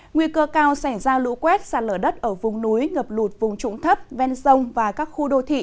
nguy cơ cao sẽ ra lũ quét sạt lở đất ở vùng núi ngập lụt vùng trũng thấp ven sông và các khu đô thị